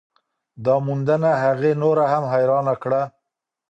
دا موندنه هغې نوره هم حیرانه کړه.